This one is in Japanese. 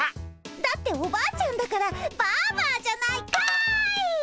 だっておばあちゃんだからバーバーじゃないかい！